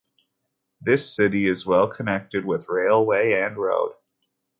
This city is well connected with railway and road.